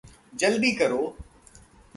जल्दी करो